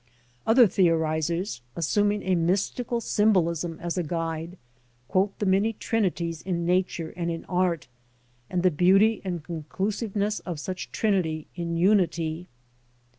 Other theorizers, assuming a mystical symbolism as a guide, quote the many trinities in nature and in art, and the beauty and conclusive ness of such trinity in unity.